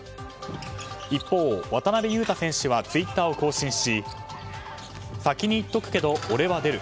一方、渡邊雄太選手はツイッターを更新し先に言っとくけど俺は出る。